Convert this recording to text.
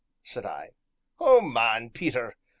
said I. "Oh, man, Peter!